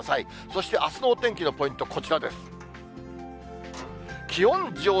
そしてあすのお天気のポイント、こちらです。